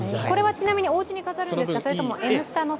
これは、ちなみにおうちに飾るんですか？